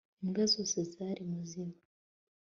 imbwa zose zari muzima